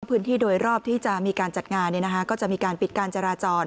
พื้นที่โดยรอบที่จะมีการจัดงานก็จะมีการปิดการจราจร